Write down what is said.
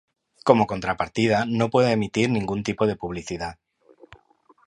Como contrapartida, no puede emitir ningún tipo de publicidad.